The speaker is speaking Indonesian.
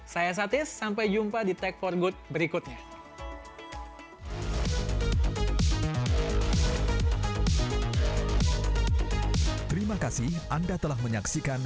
saya satis sampai jumpa di tech for good berikutnya